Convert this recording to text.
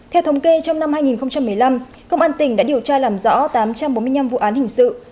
theo thống kê trong năm hai nghìn một mươi năm công an tỉnh đã điều tra làm rõ tám trăm bốn mươi năm vụ án hình sự